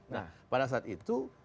nah pada saat itu